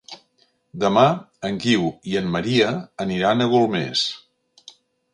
Demà en Guiu i en Maria aniran a Golmés.